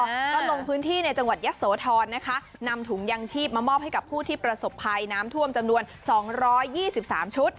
ก็ลงพื้นที่ในจังหวัดยะโสธรนะคะนำถุงยางชีพมามอบให้กับผู้ที่ประสบภัยน้ำท่วมจำนวนสองร้อยยี่สิบสามชุด